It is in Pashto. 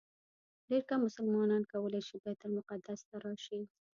ډېر کم مسلمانان کولی شي بیت المقدس ته راشي.